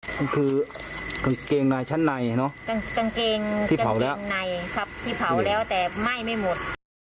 นี่คือกางเกงในชั้นในเนอะที่เผาแล้วที่เผาแล้วแต่ไหม้ไม่หมด